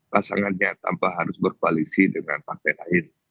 rasangannya tanpa harus berkoalisi dengan pakte lain